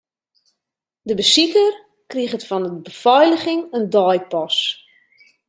De besiker kriget fan de befeiliging in deipas.